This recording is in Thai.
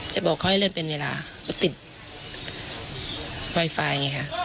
บอกเขาให้เลื่อนเป็นเวลารถติดไวไฟไงค่ะ